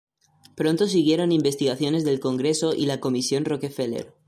Pronto siguieron investigaciones del Congreso y la Comisión Rockefeller.